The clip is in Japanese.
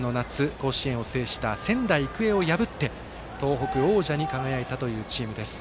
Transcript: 甲子園を制した仙台育英を破って東北王者に輝いたというチームです。